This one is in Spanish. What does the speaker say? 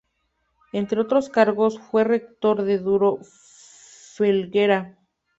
Entre otros cargos, fue rector de Duro Felguera.